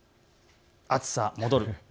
暑さ戻る。